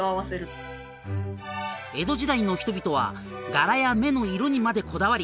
江戸時代の人々は柄や目の色にまでこだわり